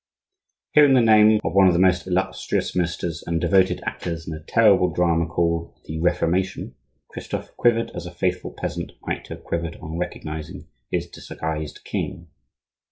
Hearing the name of one of the most illustrious ministers and devoted actors in the terrible drama called "The Reformation," Christophe quivered as a faithful peasant might have quivered on recognizing his disguised king.